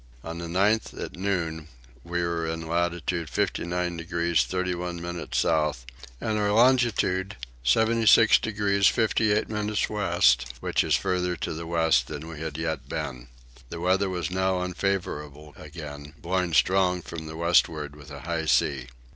On the 9th at noon we were in latitude 59 degrees 31 minutes south and our longitude 76 degrees 58 minutes west, which is farther to the west than we had yet been. The weather was now unfavourable again, blowing strong from the westward with a high sea.